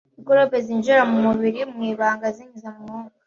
Mikorobe zinjira mu mubiri mu ibanga zinyuze mu mwuka